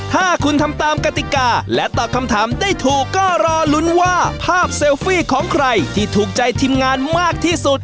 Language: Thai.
ถ้าคุณทำตามกติกาและตอบคำถามได้ถูกก็รอลุ้นว่าภาพเซลฟี่ของใครที่ถูกใจทีมงานมากที่สุด